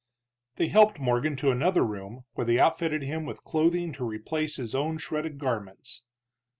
They helped Morgan to another room, where they outfitted him with clothing to replace his own shredded garments.